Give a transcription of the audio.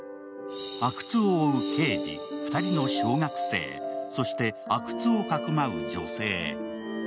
阿久津を追う刑事、２人の小学生、そして阿久津を匿う女性。